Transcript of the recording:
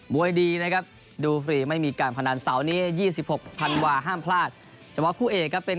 มวยดีดูฟรีไม่มีการพันัน